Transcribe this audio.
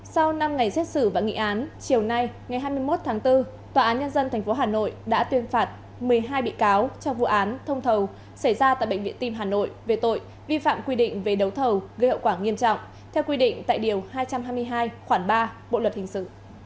sau năm ngày xét xử và nghị án chiều nay ngày hai mươi một tháng bốn tòa án nhân dân tp hà nội đã tuyên phạt một mươi hai bị cáo trong vụ án thông thầu xảy ra tại bệnh viện tim hà nội về tội vi phạm quy định về đấu thầu gây hậu quả nghiêm trọng theo quy định tại điều hai trăm hai mươi hai khoảng ba bộ luật hình sự